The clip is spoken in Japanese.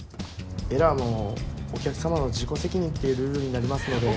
エラーもお客様の自己責任っていうルールになりますので。